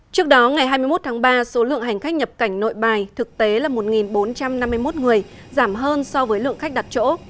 trước đó ngày hai mươi một tháng ba số lượng hành khách nhập cảnh nội bài thực tế là một bốn trăm năm mươi một người giảm hơn so với lượng khách đặt chỗ